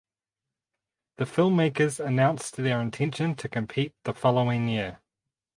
The filmmakers announced their intention to compete the following year.